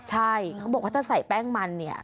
ใช่เขาบอกว่าถ้าใส่แป้งมันเนี่ย